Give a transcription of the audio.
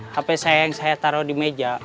hape saya yang saya taruh di meja